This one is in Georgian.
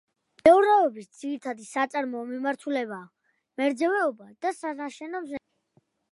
მეურნეობის ძირიტადი საწარმოო მიმართულებაა მერძევეობა და სანაშენო მესაქონლეობა.